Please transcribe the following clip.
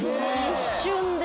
一瞬で。